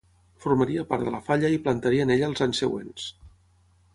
Formaria part de la falla i plantaria en ella els anys següents.